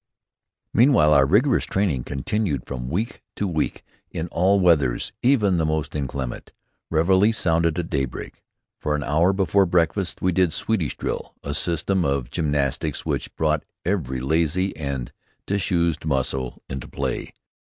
Meanwhile our rigorous training continued from week to week in all weathers, even the most inclement. Reveille sounded at daybreak. For an hour before breakfast we did Swedish drill, a system of gymnastics which brought every lazy and disused muscle into play.